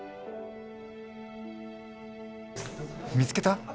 見つけた？